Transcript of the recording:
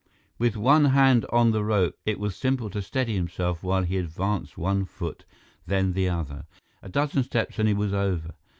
With one hand on the rope, it was simple to steady himself while he advanced one foot, then the other. A dozen steps and he was over.